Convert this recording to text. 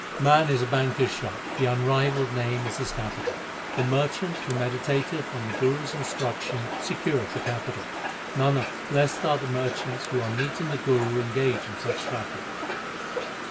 Man is a banker s shop, the unrivalled Name is his capital. The merchant who meditateth on the Guru s instruction secureth the capital. Nanak, blest are the merchants who on meeting the Guru engage in such traffic.